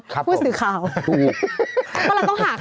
ครับผมถูกพูดสื่อข่าวพูดสื่อข่าว